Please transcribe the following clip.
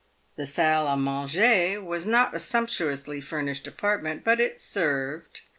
The salle a manger was not a sumptuously furnished apartment, but it served.